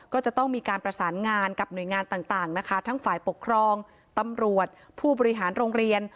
ก็จะต้องมีการประสานงานกับหน่วยงานต่างนะคะทั้งฝ่ายปกครองตำรวจผู้บริหารโรงเรียน